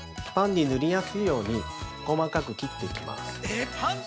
パンに塗りやすいように、細かく切っていきます。